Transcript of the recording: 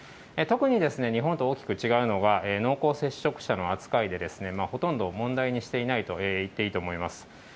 特にですね、日本と大きく違うのが、濃厚接触者の扱いで、ほとんど問題にしていないと言っていいと思います。